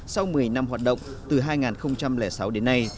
sau một mươi năm hoạt động từ hai nghìn sáu đến nay